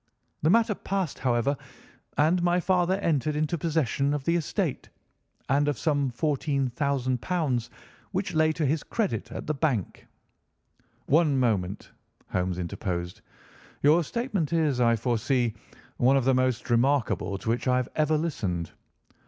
The matter passed, however, and my father entered into possession of the estate, and of some £ 14,000, which lay to his credit at the bank." "One moment," Holmes interposed, "your statement is, I foresee, one of the most remarkable to which I have ever listened.